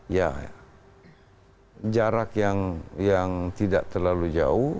ya jarak yang tidak terlalu jauh